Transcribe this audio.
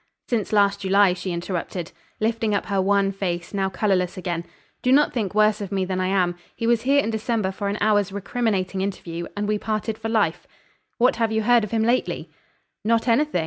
"Since last July," she interrupted. Lifting up her wan face, now colorless again. "Do not think worse of me than I am. He was here in December for an hour's recriminating interview, and we parted for life." "What have you heard of him lately?" "Not anything.